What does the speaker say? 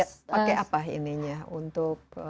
pakai apa ininya untuk